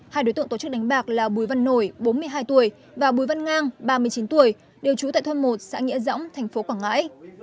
hai đối tượng tổ chức đánh bạc là bùi văn nổi bốn mươi hai tuổi và bùi văn ngang ba mươi chín tuổi đều trú tại thôn một xã nghĩa dõng thành phố quảng ngãi